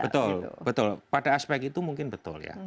betul betul pada aspek itu mungkin betul ya